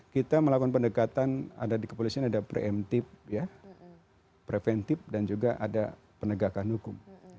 kita melakukan pendekatan ada di kepolisian ada preemptif dan juga ada penegakan hukum